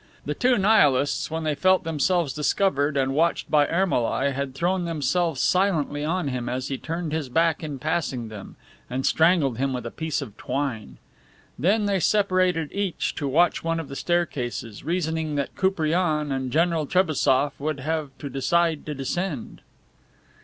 The two Nihilists, when they felt themselves discovered, and watched by Ermolai, had thrown themselves silently on him as he turned his back in passing them, and strangled him with a piece of twine. Then they separated each to watch one of the staircases, reasoning that Koupriane and General Trebassof would have to decide to descend.